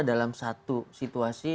dalam satu situasi